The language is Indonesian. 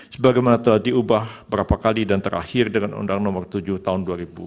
sebagaimana telah diubah berapa kali dan terakhir dengan undang nomor tujuh tahun dua ribu dua